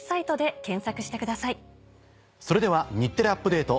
それでは『日テレアップＤａｔｅ！』